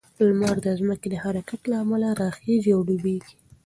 لمر د ځمکې د حرکت له امله راخیژي او ډوبیږي.